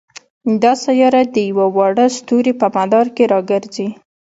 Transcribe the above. دا سیاره د یوه واړه ستوري په مدار کې را ګرځي.